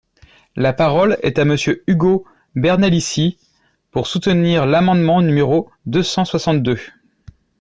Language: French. La parole est à Monsieur Ugo Bernalicis, pour soutenir l’amendement numéro deux cent soixante-deux.